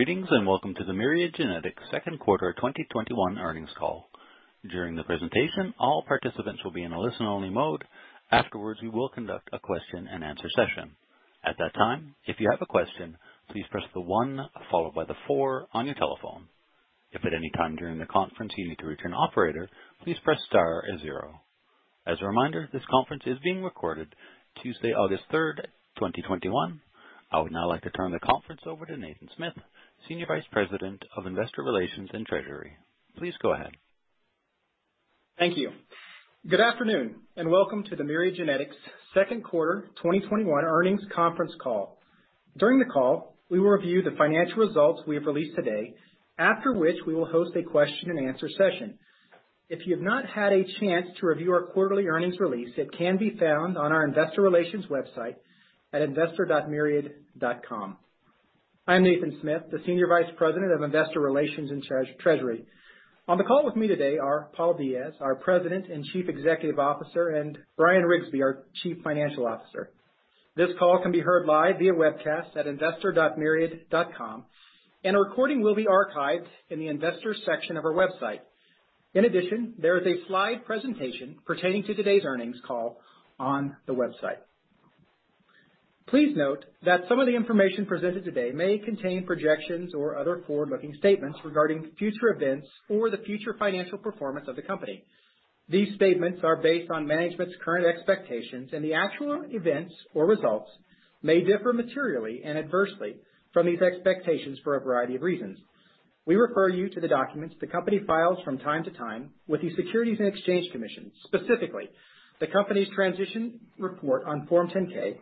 Greetings, and welcome to the Myriad Genetics Second Quarter 2021 Earnings Call. During the presentation, all participants will be in a listen-only mode. Afterwards, we will conduct a question-and-answer session. At that time, if you have a question, please press the one followed by the four on your telephone. If at any time during the conference you need to reach an operator, please press star zero. As a reminder, this conference is being recorded Tuesday, August 3rd, 2021. I would now like to turn the conference over to Nathan Smith, Senior Vice President of Investor Relations and Treasury. Please go ahead. Thank you. Good afternoon. Welcome to the Myriad Genetics Second Quarter 2021 Earnings Conference Call. During the call, we will review the financial results we have released today, after which we will host a question-and-answer session. If you have not had a chance to review our quarterly earnings release, it can be found on our investor relations website at investor.myriad.com. I'm Nathan Smith, the Senior Vice President of Investor Relations and Treasury. On the call with me today are Paul Diaz, our President and Chief Executive Officer, and Bryan Riggsbee, our Chief Financial Officer. This call can be heard live via webcast at investor.myriad.com. A recording will be archived in the Investors section of our website. In addition, there is a slide presentation pertaining to today's earnings call on the website. Please note that some of the information presented today may contain projections or other forward-looking statements regarding future events or the future financial performance of the company. These statements are based on management's current expectations, and the actual events or results may differ materially and adversely from these expectations for a variety of reasons. We refer you to the documents the company files from time to time with the Securities and Exchange Commission, specifically the company's transition report on Form 10-K,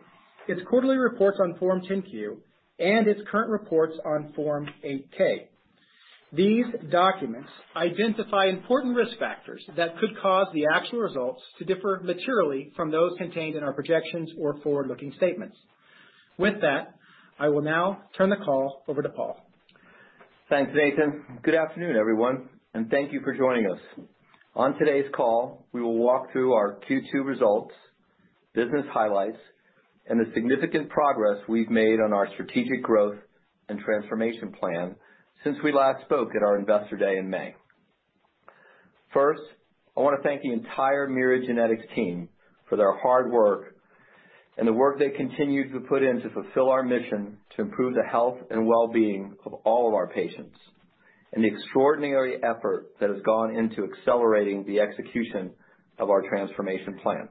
its quarterly reports on Form 10-Q, and its current reports on Form 8-K. These documents identify important risk factors that could cause the actual results to differ materially from those contained in our projections or forward-looking statements. With that, I will now turn the call over to Paul. Thanks, Nathan. Good afternoon, everyone, and thank you for joining us. On today's call, we will walk through our Q2 results, business highlights, and the significant progress we've made on our strategic growth and transformation plan since we last spoke at our Investor Day in May. First, I want to thank the entire Myriad Genetics team for their hard work and the work they continue to put in to fulfill our mission to improve the health and wellbeing of all of our patients, and the extraordinary effort that has gone into accelerating the execution of our transformation plan.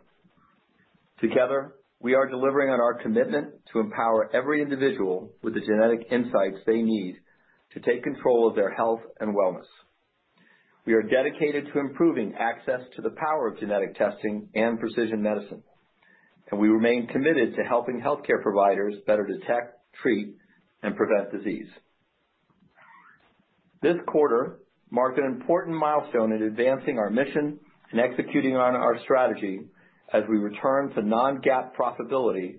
Together, we are delivering on our commitment to empower every individual with the genetic insights they need to take control of their health and wellness. We are dedicated to improving access to the power of genetic testing and precision medicine, and we remain committed to helping healthcare providers better detect, treat, and prevent disease. This quarter marked an important milestone in advancing our mission and executing on our strategy as we return to non-GAAP profitability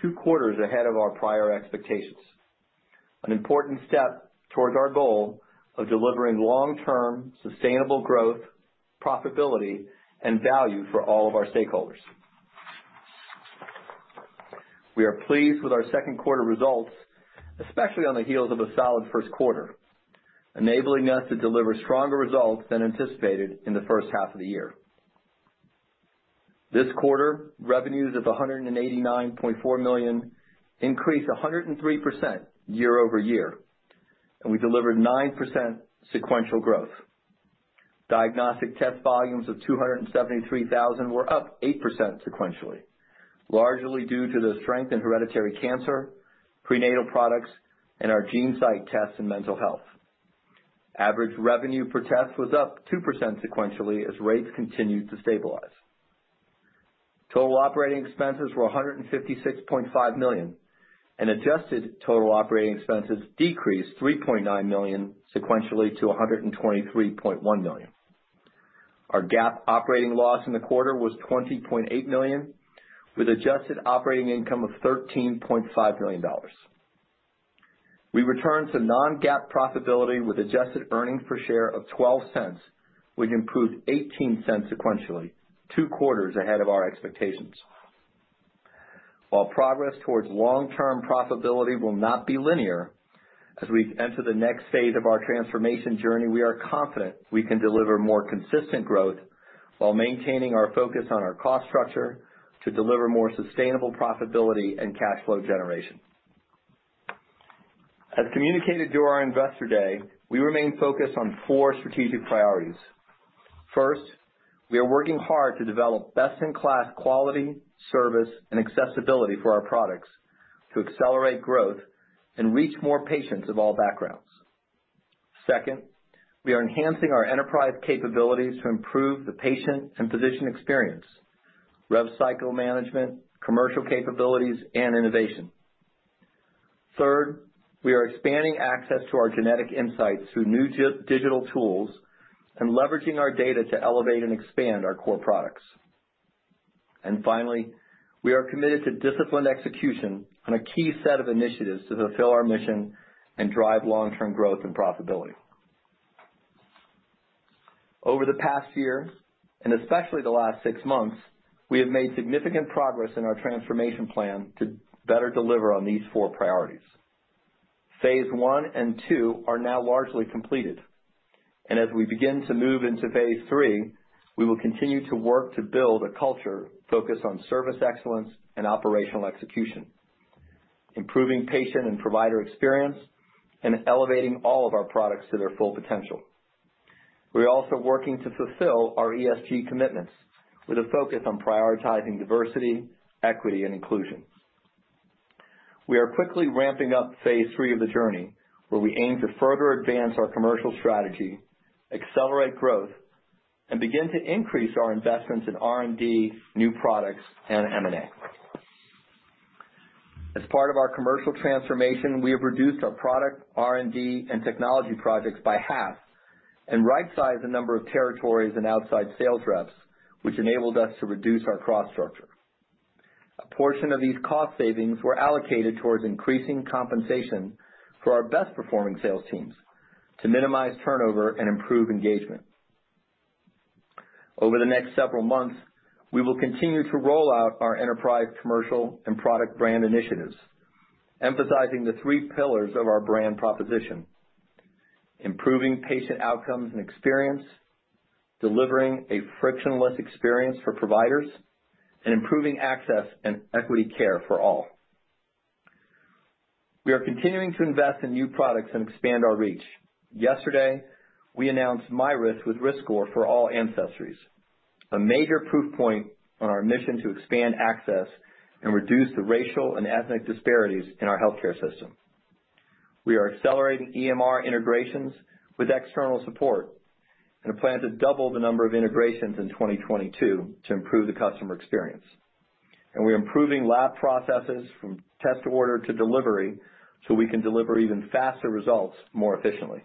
two quarters ahead of our prior expectations, an important step towards our goal of delivering long-term sustainable growth, profitability, and value for all of our stakeholders. We are pleased with our second quarter results, especially on the heels of a solid first quarter, enabling us to deliver stronger results than anticipated in the first half of the year. This quarter, revenues of $189.4 million increased 103% year-over-year, and we delivered 9% sequential growth. Diagnostic test volumes of 273,000 were up 8% sequentially, largely due to the strength in hereditary cancer, prenatal products, and our GeneSight tests in mental health. Average revenue per test was up 2% sequentially as rates continued to stabilize. Total operating expenses were $156.5 million, and adjusted total operating expenses decreased $3.9 million sequentially to $123.1 million. Our GAAP operating loss in the quarter was $20.8 million, with adjusted operating income of $13.5 million. We returned to non-GAAP profitability with adjusted earnings per share of $0.12, which improved $0.18 sequentially, two quarters ahead of our expectations. While progress towards long-term profitability will not be linear, as we enter the next phase of our transformation journey, we are confident we can deliver more consistent growth while maintaining our focus on our cost structure to deliver more sustainable profitability and cash flow generation. As communicated during our Investor Day, we remain focused on four strategic priorities. First, we are working hard to develop best-in-class quality, service, and accessibility for our products to accelerate growth and reach more patients of all backgrounds. Second, we are enhancing our enterprise capabilities to improve the patient and physician experience, rev cycle management, commercial capabilities, and innovation. Third, we are expanding access to our genetic insights through new digital tools and leveraging our data to elevate and expand our core products. Finally, we are committed to disciplined execution on a key set of initiatives to fulfill our mission and drive long-term growth and profitability. Over the past year, and especially the last six months, we have made significant progress in our transformation plan to better deliver on these four priorities. Phase I and II are now largely completed. As we begin to move into phase III, we will continue to work to build a culture focused on service excellence and operational execution, improving patient and provider experience, and elevating all of our products to their full potential. We are also working to fulfill our ESG commitments with a focus on prioritizing diversity, equity, and inclusion. We are quickly ramping up phase III of the journey, where we aim to further advance our commercial strategy, accelerate growth, and begin to increase our investments in R&D, new products, and M&A. As part of our commercial transformation, we have reduced our product R&D and technology projects by half and rightsized the number of territories and outside sales reps, which enabled us to reduce our cost structure. A portion of these cost savings were allocated towards increasing compensation for our best-performing sales teams to minimize turnover and improve engagement. Over the next several months, we will continue to roll out our enterprise commercial and product brand initiatives, emphasizing the three pillars of our brand proposition: improving patient outcomes and experience, delivering a frictionless experience for providers, and improving access and equity care for all. We are continuing to invest in new products and expand our reach. Yesterday, we announced myRisk with RiskScore for all ancestries, a major proof point on our mission to expand access and reduce the racial and ethnic disparities in our healthcare system. We are accelerating EMR integrations with external support and plan to double the number of integrations in 2022 to improve the customer experience. We're improving lab processes from test order to delivery so we can deliver even faster results more efficiently.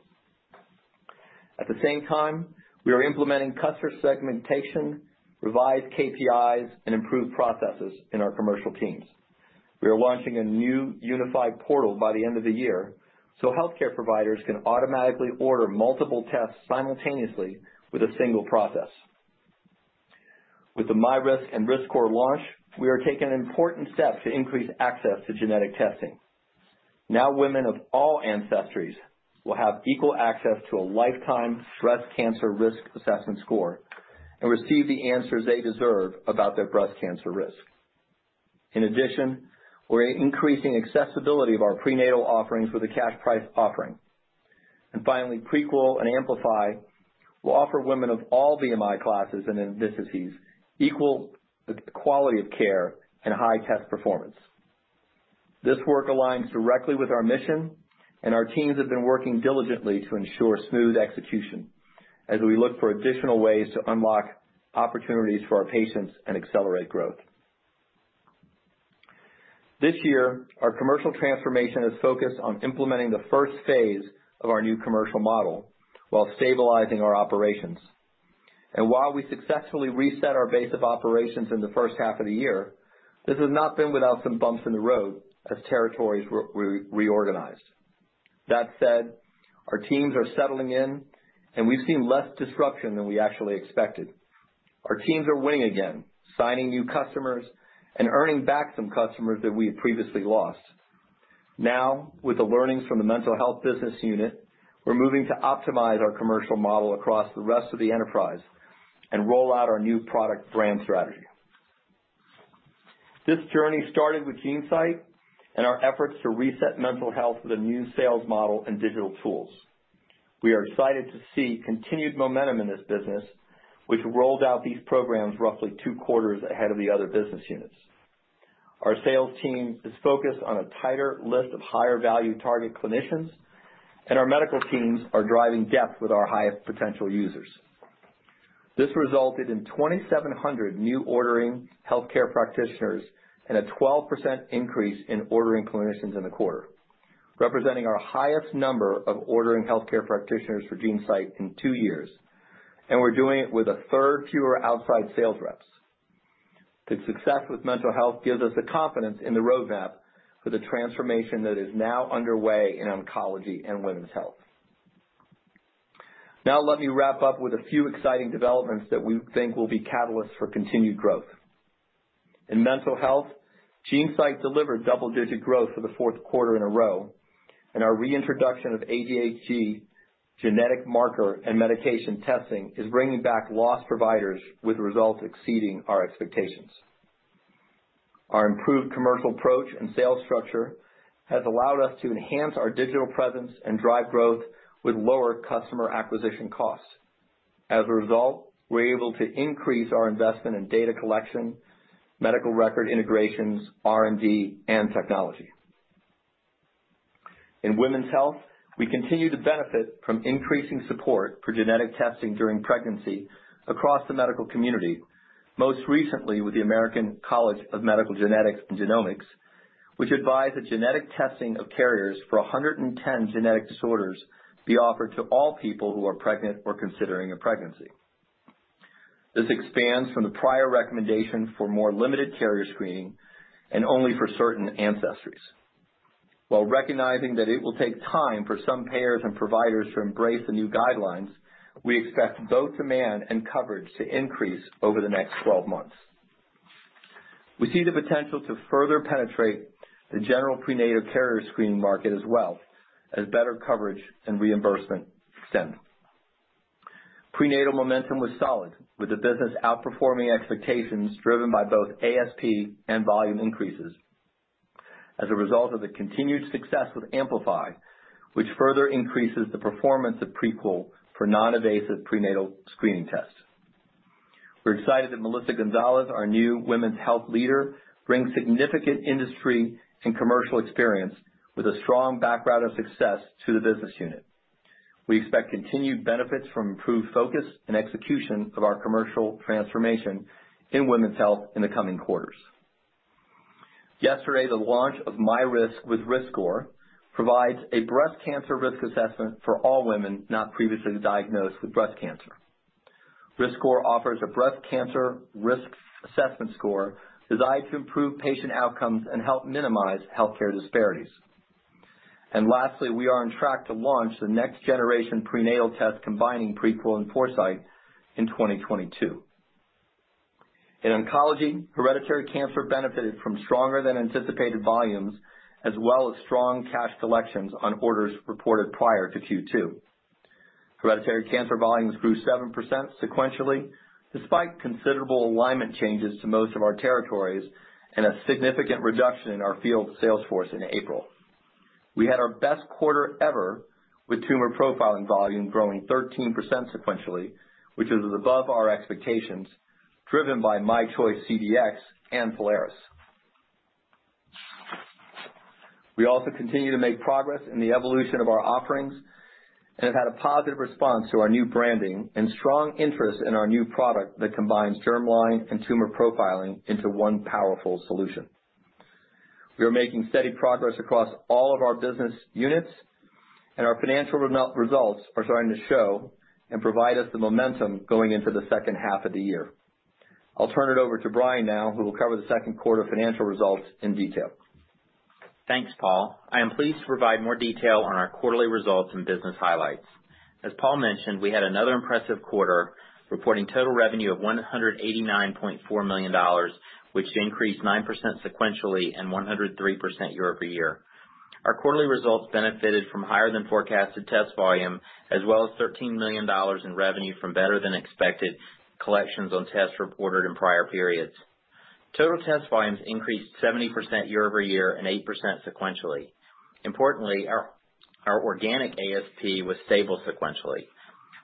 At the same time, we are implementing customer segmentation, revised KPIs, and improved processes in our commercial teams. We are launching a new unified portal by the end of the year so healthcare providers can automatically order multiple tests simultaneously with a one process. With the myRisk and RiskScore launch, we are taking an important step to increase access to genetic testing. Now, women of all ancestries will have equal access to a lifetime breast cancer risk assessment score and receive the answers they deserve about their breast cancer risk. In addition, we're increasing accessibility of our prenatal offerings with a cash price offering. Finally, Prequel and AMPLIFY will offer women of all BMI classes and gravidas equal quality of care and high test performance. This work aligns directly with our mission, and our teams have been working diligently to ensure smooth execution as we look for additional ways to unlock opportunities for our patients and accelerate growth. This year, our commercial transformation is focused on implementing the first phase of our new commercial model while stabilizing our operations. While we successfully reset our base of operations in the first half of the year, this has not been without some bumps in the road as territories reorganize. That said, our teams are settling in, and we've seen less disruption than we actually expected. Our teams are winning again, signing new customers, and earning back some customers that we had previously lost. Now, with the learnings from the mental health business unit, we're moving to optimize our commercial model across the rest of the enterprise and roll out our new product brand strategy. This journey started with GeneSight and our efforts to reset mental health with a new sales model and digital tools. We are excited to see continued momentum in this business, which rolled out these programs roughly two quarters ahead of the other business units. Our sales team is focused on a tighter list of higher-value target clinicians, and our medical teams are driving depth with our highest potential users. This resulted in 2,700 new ordering healthcare practitioners and a 12% increase in ordering clinicians in the quarter, representing our highest number of ordering healthcare practitioners for GeneSight in two years, and we're doing it with a third fewer outside sales reps. The success with mental health gives us the confidence in the roadmap for the transformation that is now underway in Oncology and Women's Health. Now, let me wrap up with a few exciting developments that we think will be catalysts for continued growth. In mental health, GeneSight delivered double-digit growth for the fourth quarter in a row, and our reintroduction of ADHD genetic marker and medication testing is bringing back lost providers, with results exceeding our expectations. Our improved commercial approach and sales structure has allowed us to enhance our digital presence and drive growth with lower customer acquisition costs. As a result, we're able to increase our investment in data collection, medical record integrations, R&D, and technology. In women's health, we continue to benefit from increasing support for genetic testing during pregnancy across the medical community, most recently with the American College of Medical Genetics and Genomics, which advised that genetic testing of carriers for 110 genetic disorders be offered to all people who are pregnant or considering a pregnancy. This expands from the prior recommendation for more limited carrier screening and only for certain ancestries. While recognizing that it will take time for some payers and providers to embrace the new guidelines, we expect both demand and coverage to increase over the next 12 months. We see the potential to further penetrate the general prenatal carrier screening market as well as better coverage and reimbursement extend. Prenatal momentum was solid, with the business outperforming expectations driven by both ASP and volume increases as a result of the continued success with AMPLIFY, which further increases the performance of Prequel for non-invasive prenatal screening tests. We're excited that Melissa Gonzales, our new women's health leader, brings significant industry and commercial experience with a strong background of success to the business unit. We expect continued benefits from improved focus and execution of our commercial transformation in women's health in the coming quarters. Yesterday, the launch of myRisk with RiskScore provides a breast cancer risk assessment for all women not previously diagnosed with breast cancer. RiskScore offers a breast cancer risk assessment score designed to improve patient outcomes and help minimize healthcare disparities. Lastly, we are on track to launch the next generation prenatal test combining Prequel and Foresight in 2022. In oncology, hereditary cancer benefited from stronger than anticipated volumes, as well as strong cash collections on orders reported prior to Q2. Hereditary cancer volumes grew 7% sequentially, despite considerable alignment changes to most of our territories and a significant reduction in our field sales force in April. We had our best quarter ever with tumor profiling volume growing 13% sequentially, which is above our expectations, driven by myChoice CDx and Prolaris. We also continue to make progress in the evolution of our offerings and have had a positive response to our new branding and strong interest in our new product that combines germline and tumor profiling into one powerful solution. We are making steady progress across all of our business units, and our financial results are starting to show and provide us the momentum going into the second half of the year. I'll turn it over to Bryan now, who will cover the second quarter financial results in detail. Thanks, Paul. I am pleased to provide more detail on our quarterly results and business highlights. As Paul mentioned, we had another impressive quarter, reporting total revenue of $189.4 million, which increased 9% sequentially and 103% year-over-year. Our quarterly results benefited from higher than forecasted test volume, as well as $13 million in revenue from better than expected collections on tests reported in prior periods. Total test volumes increased 70% year-over-year and 8% sequentially. Importantly, our organic ASP was stable sequentially.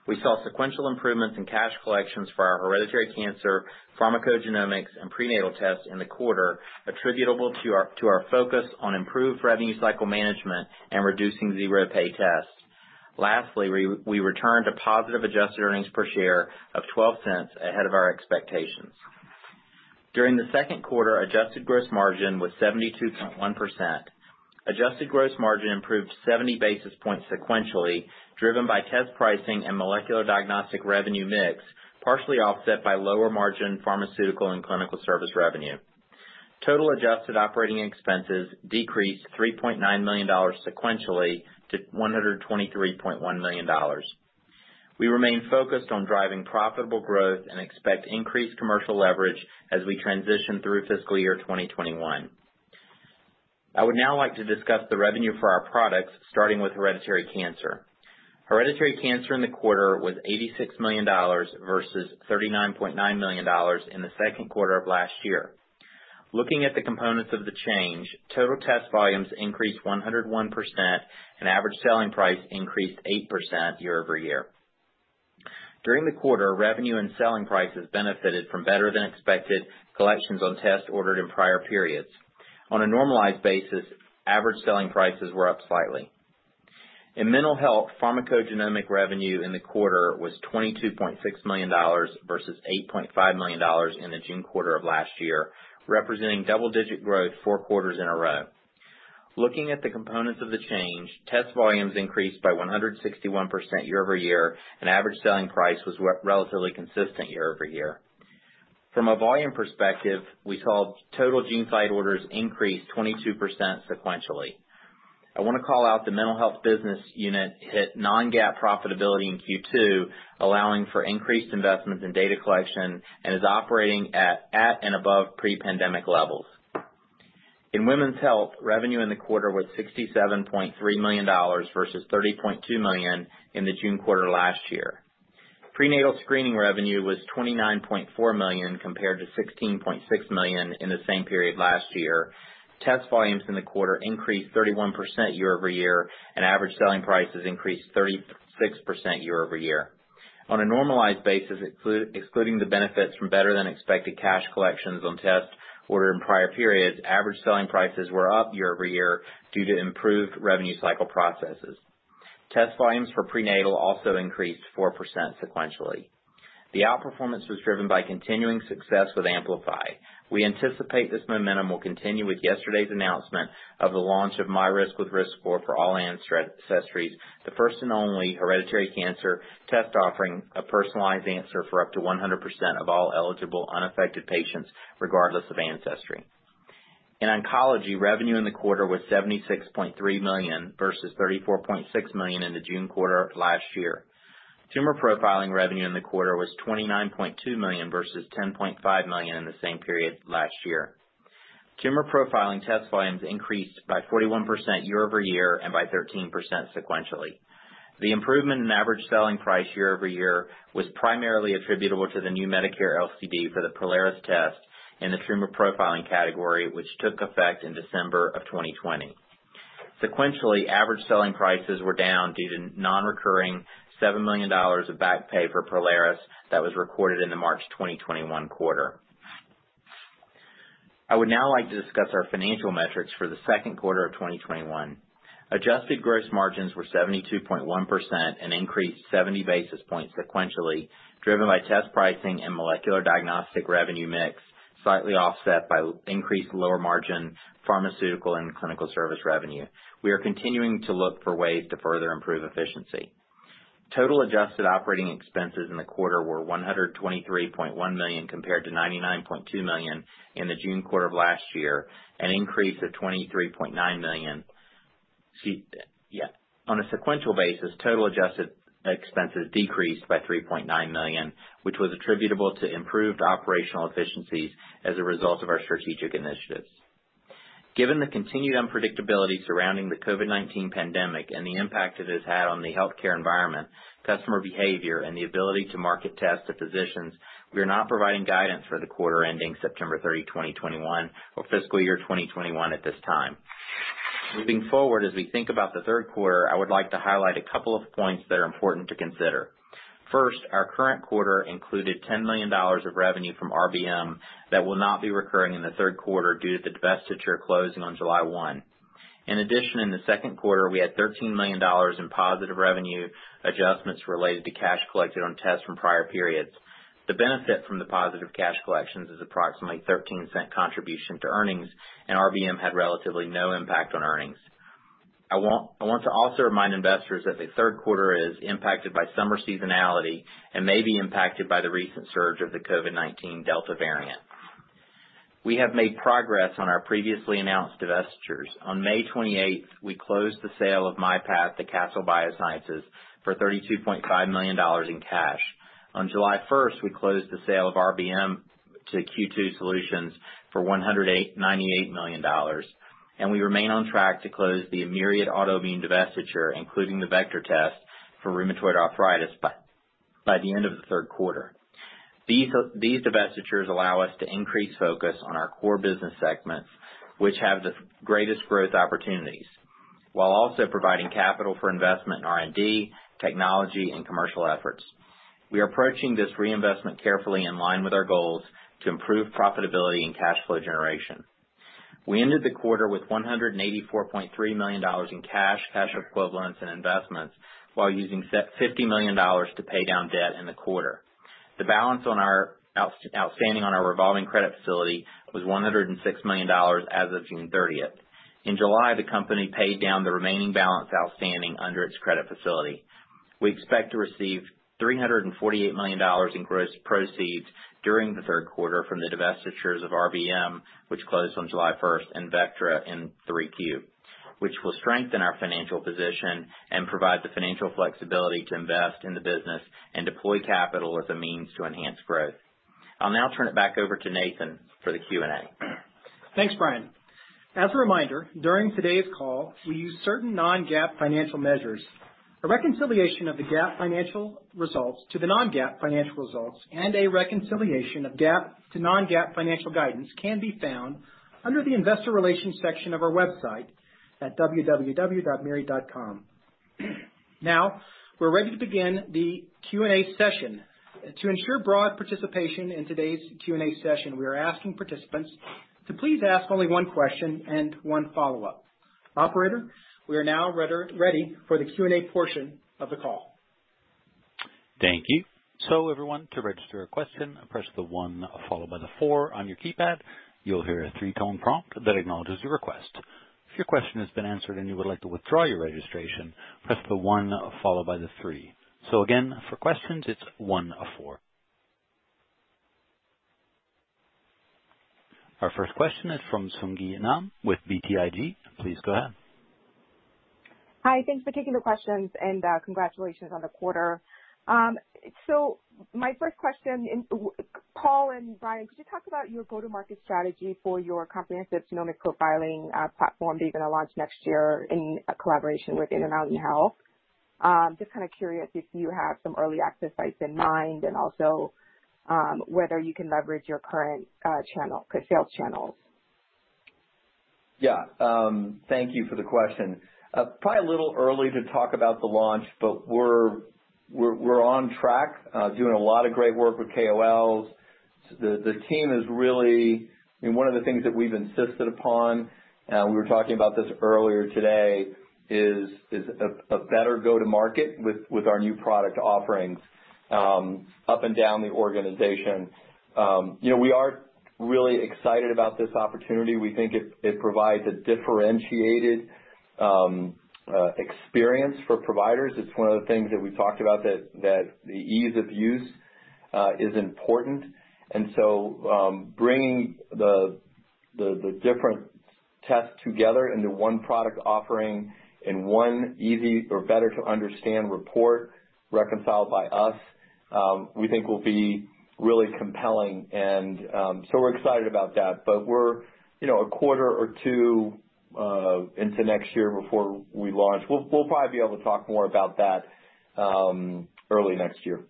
We saw sequential improvements in cash collections for our hereditary cancer, pharmacogenomics, and prenatal tests in the quarter attributable to our focus on improved revenue cycle management and reducing zero pay tests. Lastly, we returned to positive adjusted earnings per share of $0.12 ahead of our expectations. During the second quarter, adjusted gross margin was 72.1%. Adjusted gross margin improved 70 basis points sequentially, driven by test pricing and molecular diagnostic revenue mix, partially offset by lower margin pharmaceutical and clinical service revenue. Total adjusted operating expenses decreased $3.9 million sequentially to $123.1 million. We remain focused on driving profitable growth and expect increased commercial leverage as we transition through fiscal year 2021. I would now like to discuss the revenue for our products, starting with hereditary cancer. Hereditary cancer in the quarter was $86 million versus $39.9 million in the second quarter of last year. Looking at the components of the change, total test volumes increased 101% and average selling price increased 8% year-over-year. During the quarter, revenue and selling prices benefited from better than expected collections on tests ordered in prior periods. On a normalized basis, average selling prices were up slightly. In mental health, pharmacogenomic revenue in the quarter was $22.6 million versus $8.5 million in the June quarter of last year, representing double-digit growth four quarters in a row. Looking at the components of the change, test volumes increased by 161% year-over-year, and average selling price was relatively consistent year-over-year. From a volume perspective, we saw total GeneSight orders increase 22% sequentially. I want to call out the mental health business unit hit non-GAAP profitability in Q2, allowing for increased investments in data collection and is operating at and above pre-pandemic levels. In women's health, revenue in the quarter was $67.3 million versus $30.2 million in the June quarter last year. Prenatal screening revenue was $29.4 million compared to $16.6 million in the same period last year. Test volumes in the quarter increased 31% year-over-year, and average selling prices increased 36% year-over-year. On a normalized basis, excluding the benefits from better than expected cash collections on tests ordered in prior periods, average selling prices were up year-over-year due to improved revenue cycle processes. Test volumes for prenatal also increased 4% sequentially. The outperformance was driven by continuing success with AMPLIFY. We anticipate this momentum will continue with yesterday's announcement of the launch of myRisk with RiskScore for all ancestries, the first and only hereditary cancer test offering a personalized answer for up to 100% of all eligible unaffected patients, regardless of ancestry. In oncology, revenue in the quarter was $76.3 million, versus $34.6 million in the June quarter of last year. Tumor profiling revenue in the quarter was $29.2 million, versus $10.5 million in the same period last year. Tumor profiling test volumes increased by 41% year-over-year and by 13% sequentially. The improvement in average selling price year-over-year was primarily attributable to the new Medicare LCD for the Prolaris test in the tumor profiling category, which took effect in December of 2020. Sequentially, average selling prices were down due to non-recurring $7 million of back pay for Prolaris that was recorded in the March 2021 quarter. I would now like to discuss our financial metrics for the second quarter of 2021. Adjusted gross margins were 72.1% and increased 70 basis points sequentially, driven by test pricing and molecular diagnostic revenue mix, slightly offset by increased lower margin pharmaceutical and clinical service revenue. We are continuing to look for ways to further improve efficiency. Total adjusted operating expenses in the quarter were $123.1 million compared to $99.2 million in the June quarter of last year, an increase of $23.9 million. On a sequential basis, total adjusted expenses decreased by $3.9 million, which was attributable to improved operational efficiencies as a result of our strategic initiatives. Given the continued unpredictability surrounding the COVID-19 pandemic and the impact it has had on the healthcare environment, customer behavior, and the ability to market test to physicians, we are not providing guidance for the quarter ending September 30, 2021, or fiscal year 2021 at this time. Moving forward, as we think about the third quarter, I would like to highlight a couple of points that are important to consider. First, our current quarter included $10 million of revenue from RBM that will not be recurring in the third quarter due to the divestiture closing on July 1. In addition, in the second quarter, we had $13 million in positive revenue adjustments related to cash collected on tests from prior periods. The benefit from the positive cash collections is approximately $0.13 contribution to earnings, and RBM had relatively no impact on earnings. I want to also remind investors that the third quarter is impacted by summer seasonality and may be impacted by the recent surge of the COVID-19 Delta variant. We have made progress on our previously announced divestitures. On May 28th, we closed the sale of myPath to Castle Biosciences for $32.5 million in cash. On July 1st, we closed the sale of RBM to Q2 Solutions for $198 million, and we remain on track to close the Myriad Autoimmune divestiture, including the Vectra test for rheumatoid arthritis by the end of the third quarter. These divestitures allow us to increase focus on our core business segments, which have the greatest growth opportunities, while also providing capital for investment in R&D, technology, and commercial efforts. We are approaching this reinvestment carefully in line with our goals to improve profitability and cash flow generation. We ended the quarter with $184.3 million in cash equivalents, and investments while using $50 million to pay down debt in the quarter. The balance outstanding on our revolving credit facility was $106 million as of June 30th. In July, the company paid down the remaining balance outstanding under its credit facility. We expect to receive $348 million in gross proceeds during the third quarter from the divestitures of RBM, which closed on July 1st, and Vectra in 3Q, which will strengthen our financial position and provide the financial flexibility to invest in the business and deploy capital as a means to enhance growth. I'll now turn it back over to Nathan for the Q&A. Thanks, Bryan. As a reminder, during today's call, we use certain non-GAAP financial measures. A reconciliation of the GAAP financial results to the non-GAAP financial results and a reconciliation of GAAP to non-GAAP financial guidance can be found under the investor relations section of our website at www.myriad.com. Now, we're ready to begin the Q&A session. To ensure broad participation in today's Q&A session, we are asking participants to please ask only one question and one follow-up. Operator, we are now ready for the Q&A portion of the call. Our first question is from Sung Ji Nam with BTIG. Please go ahead. Hi. Thanks for taking the questions and congratulations on the quarter. My first question, Paul and Bryan, could you talk about your go-to-market strategy for your comprehensive genomic profiling platform that you're going to launch next year in collaboration with Intermountain Healthcare? Just kind of curious if you have some early access sites in mind and also whether you can leverage your current sales channels. Thank you for the question. Probably a little early to talk about the launch, but we're on track, doing a lot of great work with KOLs. One of the things that we've insisted upon, we were talking about this earlier today, is a better go to market with our new product offerings up and down the organization. We are really excited about this opportunity. We think it provides a differentiated experience for providers. It's one of the things that we talked about that the ease of use is important, and so bringing the different tests together into one product offering in one easy or better to understand report reconciled by us, we think will be really compelling. We're excited about that. We're a quarter or two into next year before we launch. We'll probably be able to talk more about that early next year.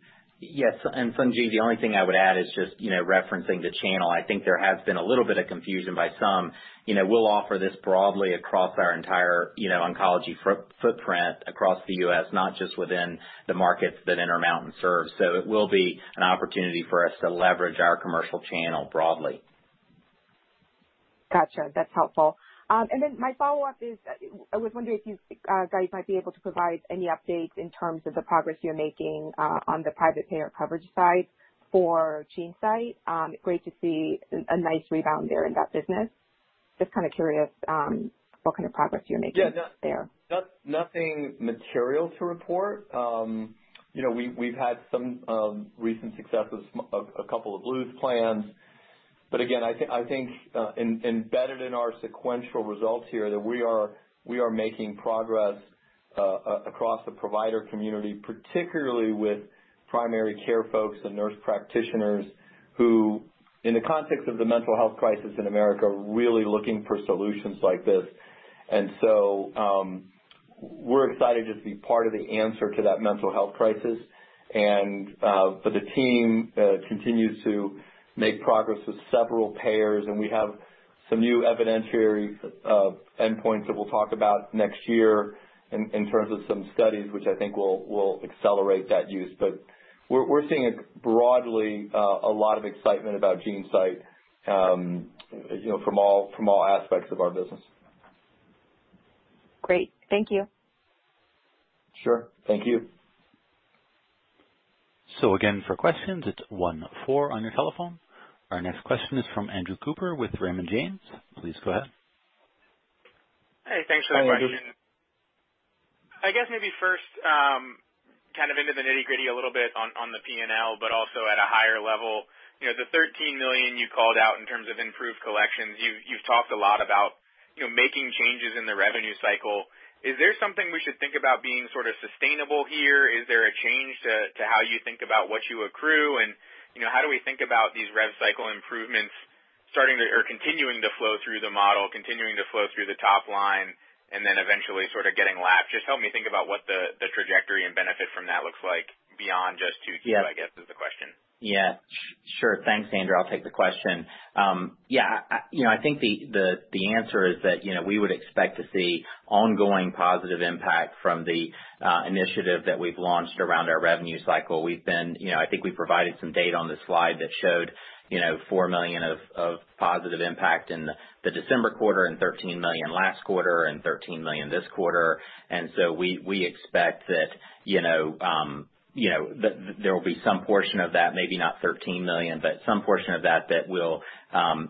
Yes. Sung Ji, the only thing I would add is just referencing the channel. I think there has been a little bit of confusion by some. We'll offer this broadly across our entire oncology footprint across the U.S., not just within the markets that Intermountain serves. It will be an opportunity for us to leverage our commercial channel broadly. Got you. That's helpful. My follow-up is, I was wondering if you guys might be able to provide any updates in terms of the progress you're making on the private payer coverage side for GeneSight? Great to see a nice rebound there in that business. Just kind of curious what kind of progress you're making there? Yeah. Nothing material to report. We've had some recent success with a couple of Blues plans, but again, I think, embedded in our sequential results here, that we are making progress across the provider community, particularly with primary care folks and nurse practitioners who, in the context of the mental health crisis in America, are really looking for solutions like this. We're excited to be part of the answer to that mental health crisis. The team continues to make progress with several payers, and we have some new evidentiary endpoints that we'll talk about next year in terms of some studies, which I think will accelerate that use. We're seeing broadly a lot of excitement about GeneSight, from all aspects of our business. Great. Thank you. Sure. Thank you. Again, for questions, it's one, four on your telephone. Our next question is from Andrew Cooper with Raymond James. Please go ahead. Hey, thanks for the question. Hi, Andrew. I guess maybe first, kind of into the nitty-gritty a little bit on the P&L, but also at a higher level. The $13 million you called out in terms of improved collections, you've talked a lot about making changes in the revenue cycle. Is there something we should think about being sort of sustainable here? Is there a change to how you think about what you accrue? How do we think about these rev cycle improvements continuing to flow through the model, continuing to flow through the top line, and then eventually sort of getting lap? Just help me think about what the trajectory and benefit from that looks like beyond just 2Q, I guess is the question. Sure. Thanks, Andrew. I'll take the question. I think the answer is that we would expect to see ongoing positive impact from the initiative that we've launched around our revenue cycle. I think we provided some data on the slide that showed $4 million of positive impact in the December quarter and $13 million last quarter and $13 million this quarter. We expect that there will be some portion of that, maybe not $13 million, but some portion of that will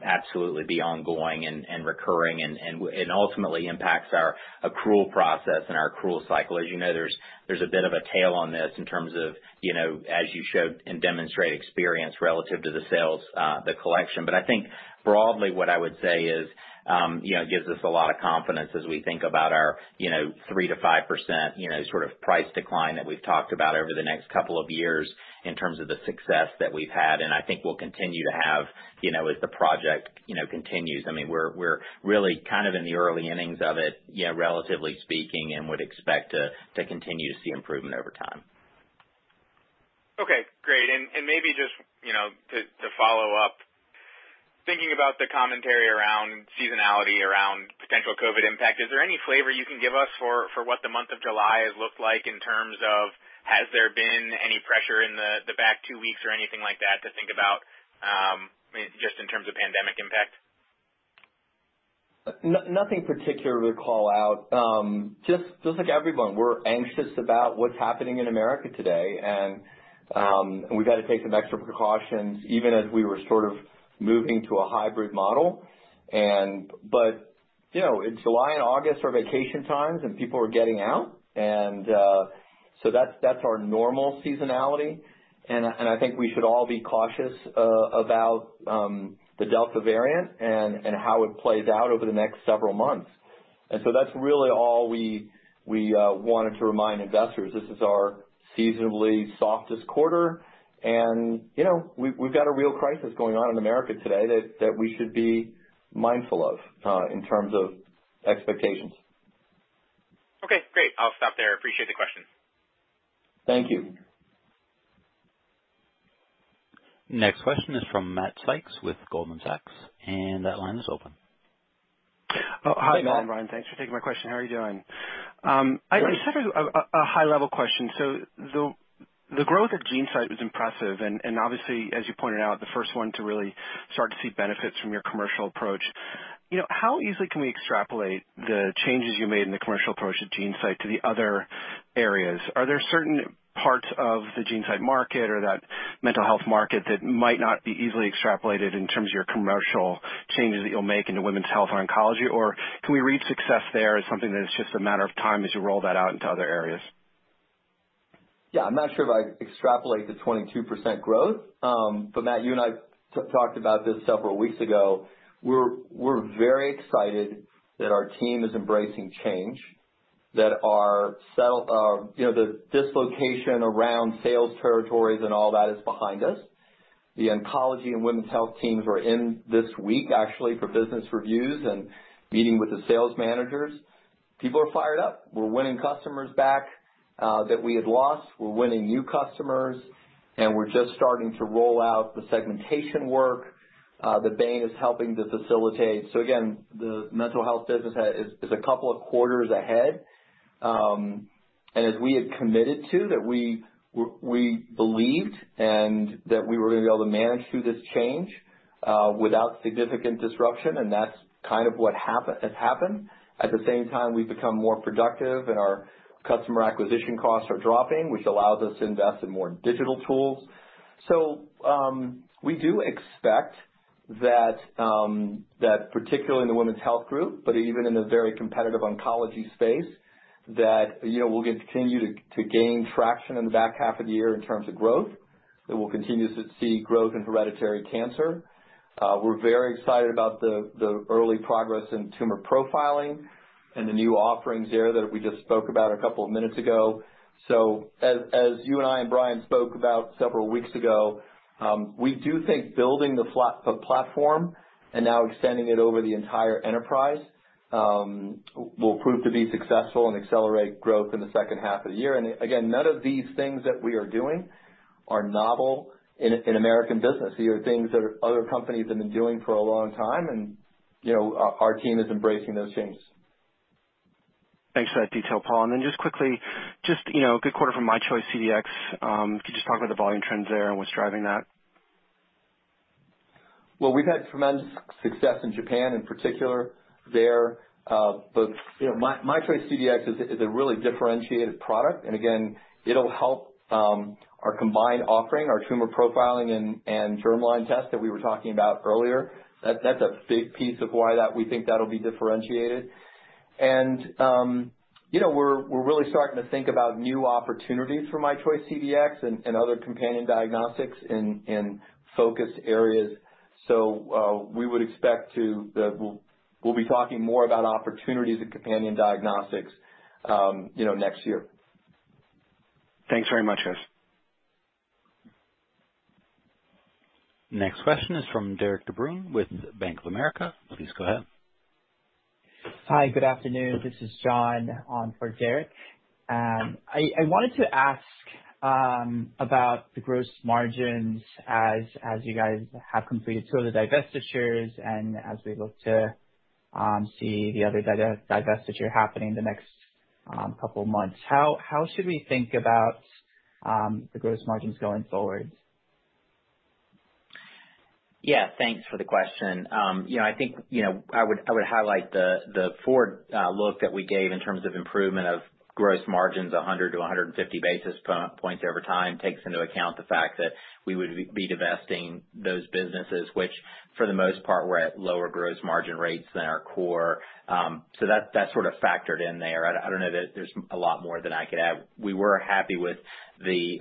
absolutely be ongoing and recurring and ultimately impacts our accrual process and our accrual cycle. As you know, there's a bit of a tail on this in terms of, as you showed and demonstrate experience relative to the sales, the collection. I think broadly what I would say is, it gives us a lot of confidence as we think about our 3%-5% sort of price decline that we've talked about over the next couple of years in terms of the success that we've had, and I think we'll continue to have as the project continues. I mean, we're really kind of in the early innings of it, relatively speaking, and would expect to continue to see improvement over time. Okay. Great. Maybe just to follow up, thinking about the commentary around seasonality, around potential COVID impact, is there any flavor you can give us for what the month of July has looked like in terms of, has there been any pressure in the back two weeks or anything like that to think about, just in terms of pandemic impact? Nothing particular to call out. Just like everyone, we're anxious about what's happening in America today, and we've got to take some extra precautions even as we were sort of moving to a hybrid model. July and August are vacation times, and people are getting out. That's our normal seasonality. I think we should all be cautious about the Delta variant and how it plays out over the next several months. That's really all we wanted to remind investors. This is our seasonably softest quarter, and we've got a real crisis going on in America today that we should be mindful of in terms of expectations. Okay, great. I'll stop there. Appreciate the question. Thank you. Next question is from Matthew Sykes with Goldman Sachs. That line is open. Hi, Matt and Bryan. Thanks for taking my question. How are you doing? Great. I just have a high-level question. The growth at GeneSight was impressive, and obviously, as you pointed out, the first one to really start to see benefits from your commercial approach. How easily can we extrapolate the changes you made in the commercial approach at GeneSight to the other areas? Are there certain parts of the GeneSight market or that mental health market that might not be easily extrapolated in terms of your commercial changes that you'll make into women's health or oncology? Can we read success there as something that is just a matter of time as you roll that out into other areas? I'm not sure if I'd extrapolate the 22% growth. Matt, you and I talked about this several weeks ago. We're very excited that our team is embracing change, that the dislocation around sales territories and all that is behind us. The oncology and women's health teams are in this week, actually, for business reviews and meeting with the sales managers. People are fired up. We're winning customers back that we had lost. We're winning new customers, and we're just starting to roll out the segmentation work that Bain is helping to facilitate. Again, the mental health business is a couple of quarters ahead. As we had committed to, that we believed, and that we were going to be able to manage through this change without significant disruption, and that's kind of what has happened. At the same time, we've become more productive and our customer acquisition costs are dropping, which allows us to invest in more digital tools. We do expect that, particularly in the women's health group, but even in the very competitive oncology space, that we'll continue to gain traction in the back half of the year in terms of growth, that we'll continue to see growth in hereditary cancer. We're very excited about the early progress in tumor profiling and the new offerings there that we just spoke about a couple of minutes ago. As you and I and Bryan Riggsbee spoke about several weeks ago, we do think building the platform and now extending it over the entire enterprise, will prove to be successful and accelerate growth in the second half of the year. Again, none of these things that we are doing are novel in American business. These are things that other companies have been doing for a long time, and our team is embracing those things. Thanks for that detail, Paul. Just quickly, a good quarter from myChoice CDx. Could you just talk about the volume trends there and what's driving that? Well, we've had tremendous success in Japan in particular there. myChoice CDx is a really differentiated product. Again, it'll help our combined offering, our tumor profiling and germline tests that we were talking about earlier. That's a big piece of why we think that'll be differentiated. We're really starting to think about new opportunities for myChoice CDx and other companion diagnostics in focused areas. We'll be talking more about opportunities in companion diagnostics next year. Thanks very much, guys. Next question is from Derik de Bruin with Bank of America. Please go ahead. Hi, good afternoon. This is John on for Derik. I wanted to ask about the gross margins as you guys have completed two of the divestitures, and as we look to see the other divestiture happening in the next couple of months. How should we think about the gross margins going forward? Thanks for the question. I think I would highlight the forward look that we gave in terms of improvement of gross margins, 100 to 150 basis points over time, takes into account the fact that we would be divesting those businesses, which for the most part, were at lower gross margin rates than our core. That sort of factored in there. I don't know that there's a lot more that I could add. We were happy with the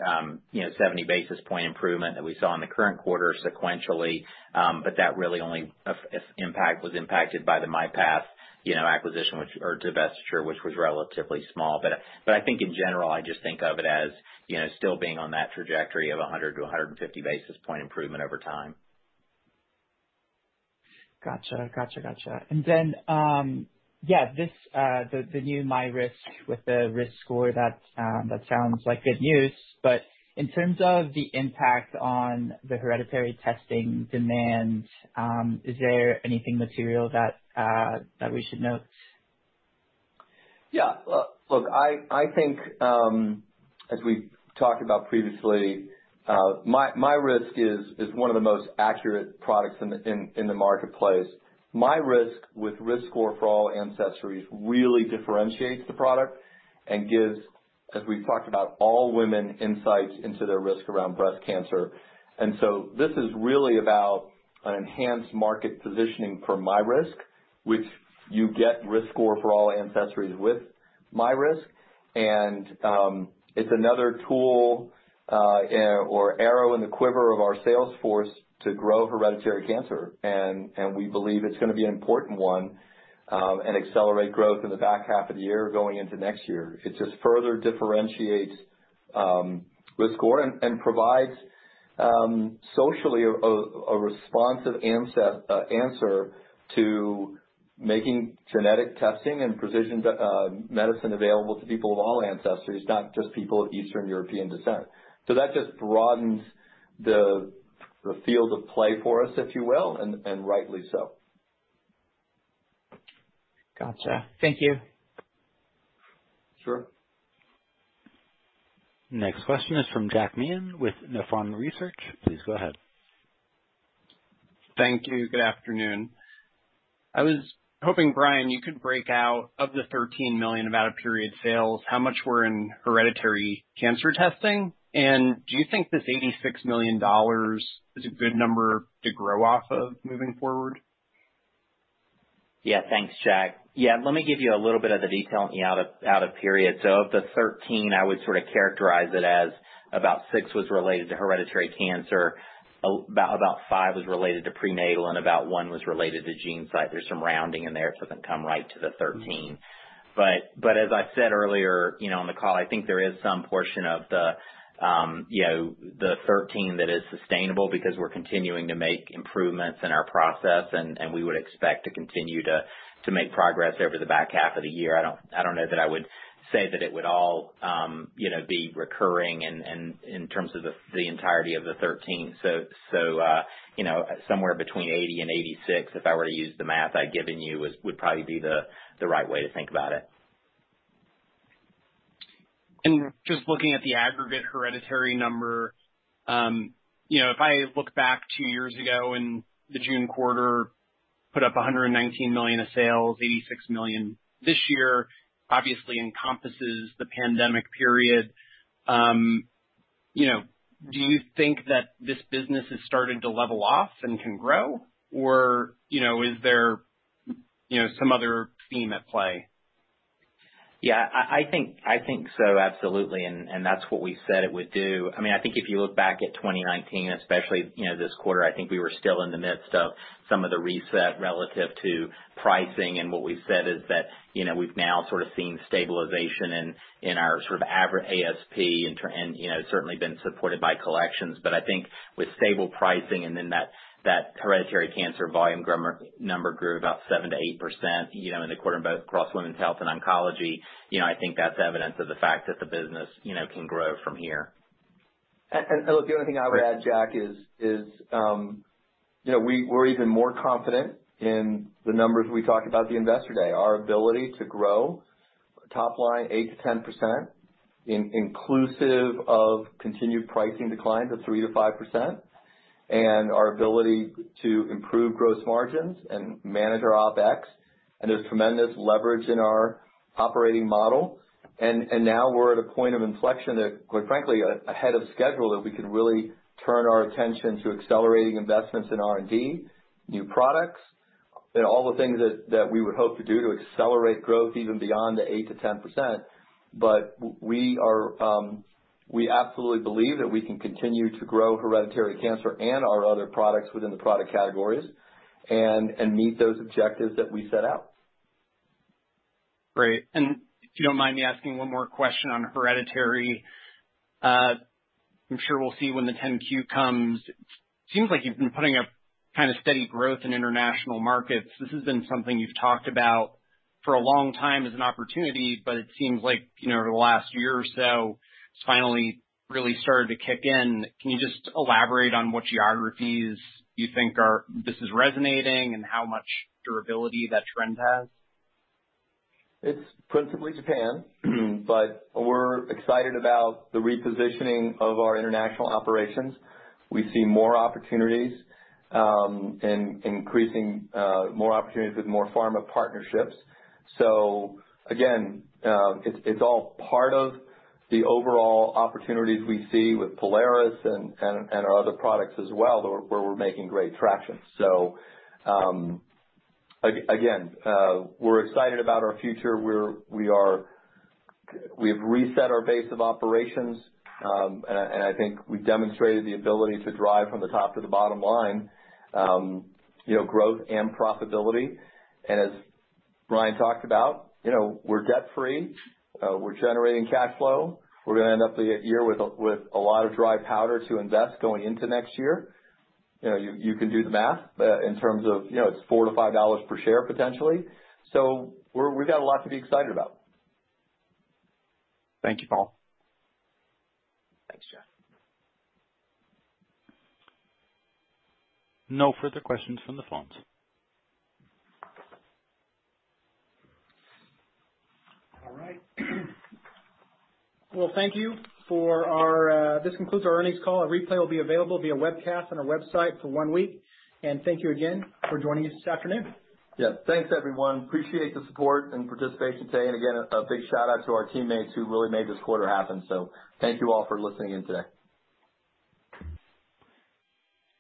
70 basis point improvement that we saw in the current quarter sequentially. That really only was impacted by the myPath divestiture, which was relatively small. I think in general, I just think of it as still being on that trajectory of 100 to 150 basis point improvement over time. Got you. Yeah, the new myRisk with the RiskScore, that sounds like good news. In terms of the impact on the hereditary testing demand, is there anything material that we should note? Yeah. Look, I think, as we've talked about previously, myRisk is one of the most accurate products in the marketplace. myRisk with RiskScore for all ancestries really differentiates the product and gives, as we've talked about, all women insights into their risk around breast cancer. This is really about an enhanced market positioning for myRisk, which you get RiskScore for all ancestries with myRisk, and it's another tool or arrow in the quiver of our sales force to grow hereditary cancer. We believe it's going to be an important one and accelerate growth in the back half of the year going into next year. It just further differentiates RiskScore and provides, socially, a responsive answer to making genetic testing and precision medicine available to people of all ancestries, not just people of Eastern European descent. That just broadens the field of play for us, if you will, and rightly so. Got you. Thank you. Sure. Next question is from Jack Meehan with Nephron Research. Please go ahead. Thank you. Good afternoon. I was hoping, Bryan, you could break out, of the $13 million about a period sales, how much were in hereditary cancer testing? Do you think this $86 million is a good number to grow off of moving forward? Yeah. Thanks, Jack. Yeah, let me give you a little bit of the detail out of period. Of the 13, I would characterize it as about six was related to hereditary cancer, about five was related to prenatal, and about one was related to GeneSight. There's some rounding in there, it doesn't come right to the 13. As I said earlier on the call, I think there is some portion of the 13 that is sustainable because we're continuing to make improvements in our process, and we would expect to continue to make progress over the back half of the year. I don't know that I would say that it would all be recurring and in terms of the entirety of the 13. Somewhere between 80 and 86, if I were to use the math I'd given you, would probably be the right way to think about it. Just looking at the aggregate hereditary number. If I look back two years ago in the June quarter, put up $119 million of sales, $86 million this year, obviously encompasses the pandemic period. Do you think that this business has started to level off and can grow or is there some other theme at play? Yeah, I think so. Absolutely. That's what we said it would do. I think if you look back at 2019, especially this quarter, I think we were still in the midst of some of the reset relative to pricing, and what we've said is that we've now sort of seen stabilization in our average ASP, and it's certainly been supported by collections. I think with stable pricing and then that hereditary cancer volume number grew about 7%-8% in the quarter across women's health and oncology. I think that's evidence of the fact that the business can grow from here. Look, the only thing I would add, Jack, is we're even more confident in the numbers we talked about at the investor day. Our ability to grow top line 8%-10%, inclusive of continued pricing decline to 3%-5%, and our ability to improve gross margins and manage our OPEX. There's tremendous leverage in our operating model. Now we're at a point of inflection that, quite frankly, ahead of schedule, that we can really turn our attention to accelerating investments in R&D, new products, and all the things that we would hope to do to accelerate growth even beyond the 8%-10%. We absolutely believe that we can continue to grow hereditary cancer and our other products within the product categories and meet those objectives that we set out. Great. If you don't mind me asking one more question on hereditary. I'm sure we'll see when the Form 10-Q comes. Seems like you've been putting up steady growth in international markets. This has been something you've talked about for a long time as an opportunity, but it seems like over the last year or so, it's finally really started to kick in. Can you just elaborate on what geographies you think this is resonating and how much durability that trend has? It's principally Japan, but we're excited about the repositioning of our international operations. We see more opportunities, increasing more opportunities with more pharma partnerships. It's all part of the overall opportunities we see with Prolaris and our other products as well, where we're making great traction. We're excited about our future. We have reset our base of operations, and I think we've demonstrated the ability to drive from the top to the bottom line growth and profitability. As Bryan talked about, we're debt-free. We're generating cash flow. We're going to end up the year with a lot of dry powder to invest going into next year. You can do the math in terms of it's $4 to $5 per share potentially. We've got a lot to be excited about. Thank you, Paul. Thanks, Jack. No further questions from the phones. All right. Well, thank you. This concludes our earnings call. A replay will be available via webcast on our website for one week. Thank you again for joining us this afternoon. Yeah. Thanks, everyone. Appreciate the support and participation today. Again, a big shout-out to our teammates who really made this quarter happen. Thank you all for listening in today.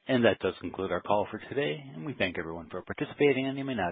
That does conclude our call for today, and we thank everyone for participating, and you may now disconnect.